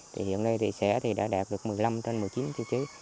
thì hiện nay thì xã thì đã đạt được một mươi năm trên một mươi chín tiêu chí